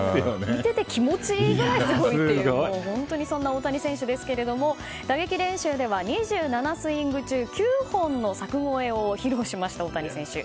見てて気持ちいいぐらいすごいそんな大谷選手ですが打撃練習では２７スイング中９本の柵越えを披露しました、大谷選手。